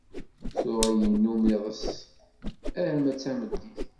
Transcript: Tuɣ yennum iḍes arma d tameddit.